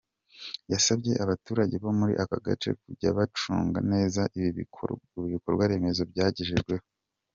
Yasabye abaturage bo muri aka gace kujya bacunga neza ibi bikorwaremezo bagejejweho.